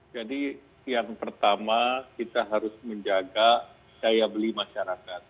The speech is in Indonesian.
jadi yang pertama kita harus menjaga daya beli masyarakat